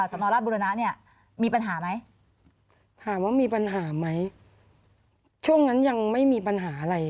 สนราชบุรณะเนี่ยมีปัญหาไหมถามว่ามีปัญหาไหมช่วงนั้นยังไม่มีปัญหาอะไร